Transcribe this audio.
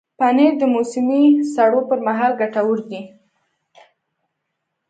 پنېر د موسمي سړو پر مهال ګټور دی.